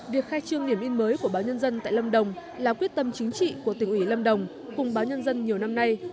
việc khai trương điểm in mới của báo nhân dân tại lâm đồng là quyết tâm chính trị của tỉnh ủy lâm đồng cùng báo nhân dân nhiều năm nay